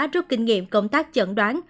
trước kinh nghiệm công tác chẩn đoán